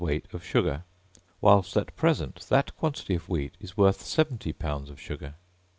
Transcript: weight of sugar, whilst at present that quantity of wheat is worth 70 lbs. of sugar.